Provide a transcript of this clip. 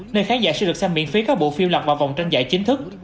nơi khán giả sẽ được xem miễn phí các bộ phim lặp vào vòng tranh giải chính thức